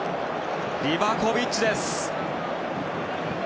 リバコビッチです。